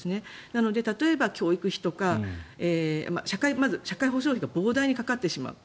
なので、例えば教育費とかまず社会保障費が膨大にかかってしまう。